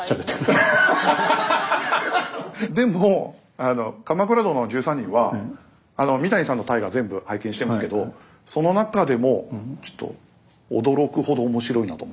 でも「鎌倉殿の１３人」は三谷さんの「大河」全部拝見してますけどその中でもちょっと驚くほど面白いなと。